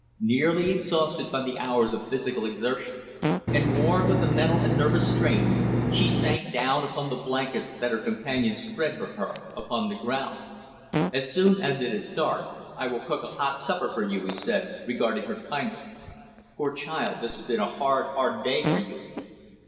Nearly exhausted by the hours of physical exertion, and worn with the mental and nervous strain, she sank down upon the blankets that her companion spread for her upon the ground. "As soon as it is dark, I will cook a hot supper for you," he said, regarding her kindly. "Poor child, this has been a hard, hard, day for you.